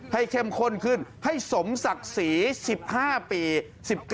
เข้มข้นขึ้นให้สมศักดิ์ศรี๑๕ปี๑๙